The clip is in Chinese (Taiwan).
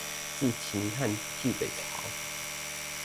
自秦漢至北朝